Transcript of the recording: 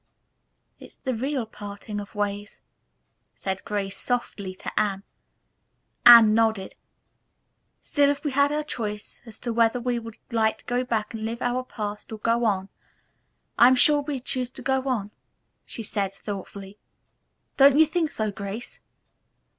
"It's the real parting of the ways," said Grace softly to Anne. Anne nodded. "Still, if we had our choice as to whether we would like to go back and live over our past or go on, I am sure we'd choose to go on," she said thoughtfully. "Don't you think so, Grace!"